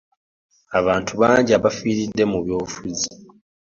Abantu bangi abafiridde mu by'obufuzi.